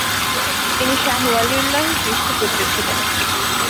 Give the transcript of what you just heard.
তিনি শাহ ওয়ালিউল্লাহ এর জ্যেষ্ঠ পুত্র ছিলেন।